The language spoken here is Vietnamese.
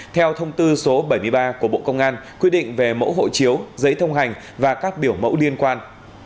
theo thông tư số bảy mươi ba của bộ công an quy định về mẫu hộ chiếu giấy thông hành và các biểu mẫu liên quan